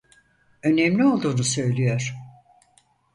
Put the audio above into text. Önemli olduğunu söylüyor.